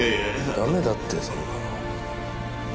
ダメだってそんなの。